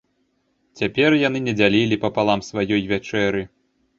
Цяпер яны не дзялілі папалам сваёй вячэры.